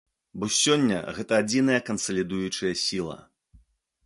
Бо сёння гэта адзіная кансалідуючая сіла.